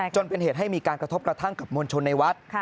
จนเป็นเหตุให้มีการกระทบกระทั่งกับมวลชนในวัด